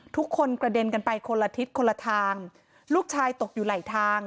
ทุกคนกระเด็นกันไปคนละทิศคนละทางลูกชายตกอยู่ไหลทาง